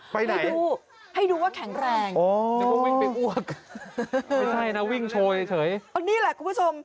อ๋อวิ่งไปอ้วกไม่ใช่น่ะวิ่งโชยเฉยเฉยอันนี้แหละคุณผู้ชม